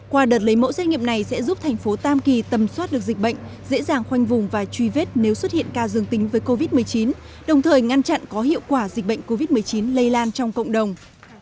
qua đợt lấy mẫu xét nghiệm này sẽ giúp thành phố tam kỳ tầm soát được dịch bệnh dễ dàng khoanh vùng và truy vết nếu xuất hiện ca dương tính với covid một mươi chín đồng thời ngăn chặn có hiệu quả dịch bệnh covid một mươi chín lây lan trong cộng đồng